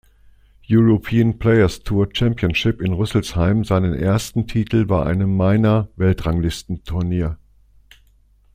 European Players Tour Championship in Rüsselsheim seinen ersten Titel bei einem Minor-Weltranglistenturnier.